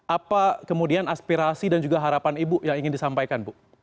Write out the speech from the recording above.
apa kemudian aspirasi dan juga harapan ibu yang ingin disampaikan bu